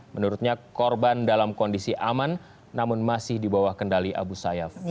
menurutnya korban dalam kondisi aman namun masih di bawah kendali abu sayyaf